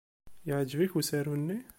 Yeɛjeb-ik usaru-nni?